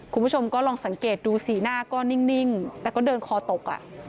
คุณผู้ชมก็ลองสังเกตดูสีหน้าก็นิ่งแต่ก็เดินคอตก